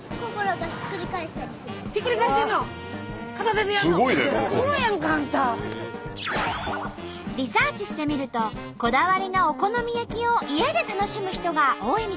ひっくり返してんの！リサーチしてみるとこだわりのお好み焼きを家で楽しむ人が多いみたい。